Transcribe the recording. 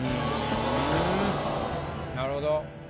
なるほど。